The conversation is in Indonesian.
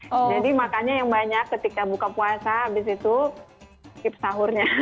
jadi makannya yang banyak ketika buka puasa abis itu skip sahurnya